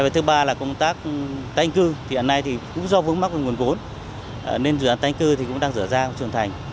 thứ ba là công tác tái định cư thì hiện nay cũng do vững mắc của nguồn vốn nên dự án tái định cư cũng đang rửa ra trường thành